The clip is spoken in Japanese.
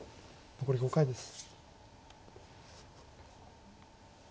残り５回です。